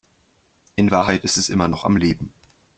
In Wahrheit ist es immer noch am Leben.